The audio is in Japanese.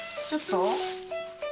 ちょっと。